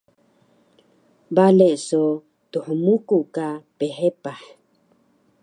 Bale so thmuku ka phepah